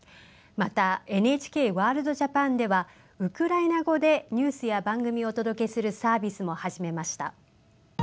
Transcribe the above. また「ＮＨＫワールドＪＡＰＡＮ」ではウクライナ語でニュースや番組をお届けするサービスも始めました。